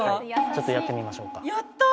ちょっとやってみましょうかやった！